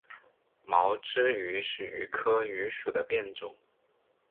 毛枝榆是榆科榆属的变种。